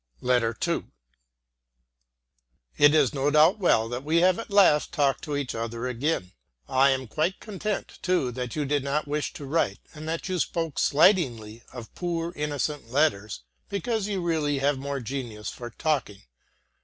II It is no doubt well that we have at last talked with each other again. I am quite content, too, that you did not wish to write, and that you spoke slightingly of poor innocent letters because you really have more genius for talking.